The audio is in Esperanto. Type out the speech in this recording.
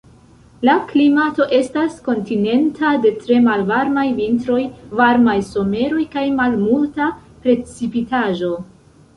La klimato estas kontinenta de tre malvarmaj vintroj, varmaj someroj kaj malmulta precipitaĵo.